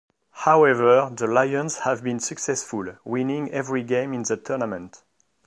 However, the Lions have been successful, winning every game in the tournament.